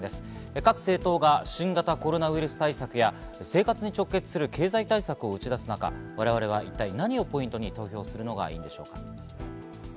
各政党が新型コロナウイルス対策や、生活に直結する経済対策を打ち出す中、我々は一体何をポイントに投票するのがいいんでしょうか？